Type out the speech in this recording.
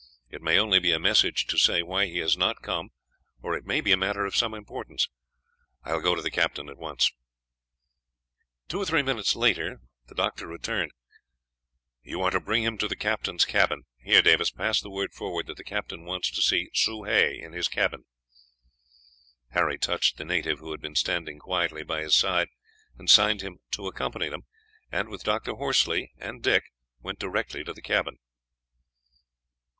It may only be a message to say why he has not come, or it may be a matter of some importance. I will go to him at once." Two or three minutes later he returned. "You are to bring him to the captain's cabin. Here, Davis, pass the word forward that the captain wants to see Soh Hay in his cabin." Harry touched the native, who had been standing quietly by his side, and signed him to accompany them, and with Dr. Horsley and Dick went direct to the cabin.